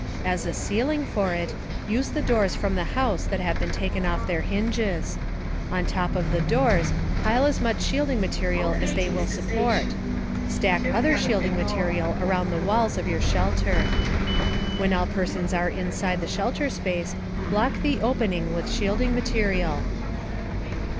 As a "ceiling" for it, use doors from the house that have been taken off their hinges. On top of the doors, pile as much shielding material as they will support. Stack other shielding material around the "walls" of your shelter. When all persons are inside the shelter space, block the opening with shielding material.